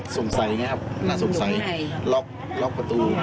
อย่างนี้ครับน่าสงสัยล็อกประตู